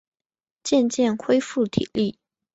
渐渐恢复体力